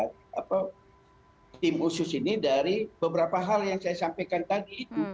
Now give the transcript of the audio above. saya berharap pak gatot tim khusus ini dari beberapa hal yang saya sampaikan tadi